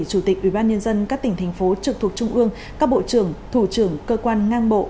chủ tịch ubnd các tỉnh thành phố trực thuộc trung ương các bộ trưởng thủ trưởng cơ quan ngang bộ